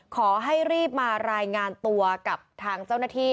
ขอให้รีบมารายงานตัวกับทางเจ้าหน้าที่